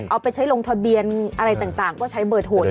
เอาไปใช้ลงทะเบียนอะไรต่างก็ใช้เบอร์โทร